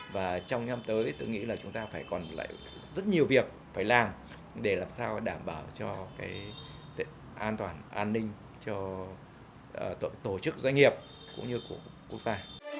và trong nhâm tới tôi nghĩ là chúng ta phải còn lại rất nhiều việc phải làm để làm sao đảm bảo cho cái an toàn an ninh cho tổ chức doanh nghiệp cũng như của quốc gia